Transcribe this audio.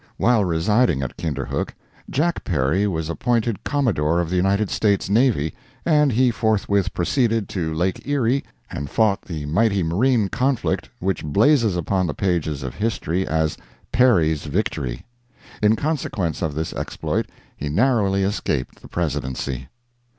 While residing at Kinderhook, Jack Perry was appointed Commodore of the United States Navy, and he forthwith proceeded to Lake Erie and fought the mighty marine conflict, which blazes upon the pages of history as "Perry's Victory." In consequence of this exploit, he narrowly escaped the Presidency.